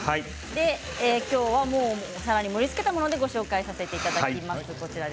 きょうはお皿に盛りつけたものでご紹介させていただきます。